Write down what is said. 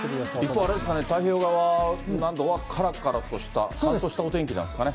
一方、あれですかね、太平洋側などはからからとした乾燥したお天気なんですかね。